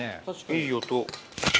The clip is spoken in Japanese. いい音。